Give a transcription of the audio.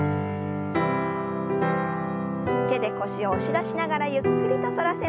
手で腰を押し出しながらゆっくりと反らせます。